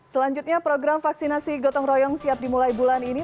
selanjutnya program vaksinasi gotong royong siap dimulai bulan ini